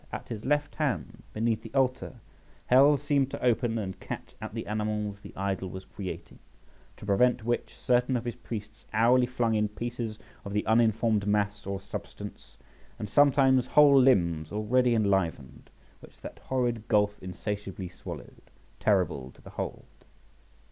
At his left hand, beneath the altar, Hell seemed to open and catch at the animals the idol was creating, to prevent which, certain of his priests hourly flung in pieces of the uninformed mass or substance, and sometimes whole limbs already enlivened, which that horrid gulph insatiably swallowed, terrible to behold.